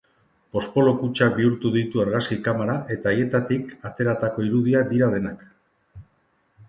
Poxpolo kutxak bihurtu ditu argazki kamara eta aietatik ateratako irudiak dira denak.